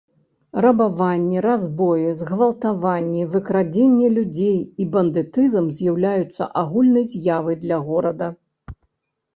Рабаванні, разбоі, згвалтаванні, выкраданне людзей і бандытызм з'яўляюцца агульнай з'яў для горада.